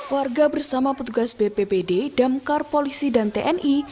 warga bersama petugas bppd damkar polisi dan tni